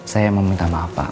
saya meminta maaf pak